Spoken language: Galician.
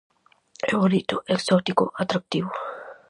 É bonito, exótico, atractivo.